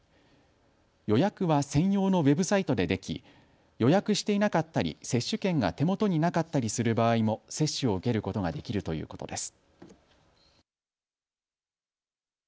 予約は専用のウェブサイトででき予約していなかったり接種券が手元になかったりする場合も接種を受けることができるということです。